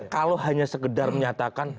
kalau hanya sekedar menyatakan